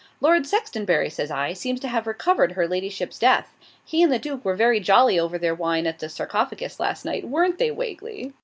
'Lord Sextonbury,' says I, 'seems to have recovered her ladyship's death. He and the Duke were very jolly over their wine at the "Sarcophagus" last night; weren't they, Wagley?'